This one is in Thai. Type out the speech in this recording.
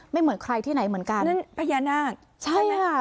เหมือนใครที่ไหนเหมือนกันนั่นพญานาคใช่ไหมคะ